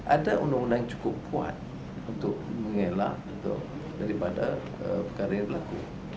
ada undang undang yang cukup kuat untuk mengelak daripada perkara ini berlaku